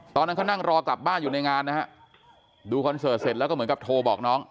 ตอนนั้นเขานั่งรอกลับบ้านอยู่ในงานนะฮะดูคอนเสิร์ตเสร็จแล้วก็เหมือนกับโทรบอกน้อง